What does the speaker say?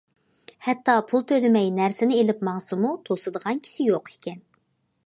ھەتتا پۇل تۆلىمەي نەرسىنى ئېلىپ ماڭسىمۇ توسىدىغان كىشى يوق ئىكەن.